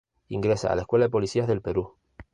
Ingresa a la escuela de policías del Perú.